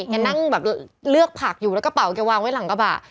อย่างนั่งแบบเลือกผักอยู่แล้วกระเป๋าก็วางไว้หลังกระเป๋า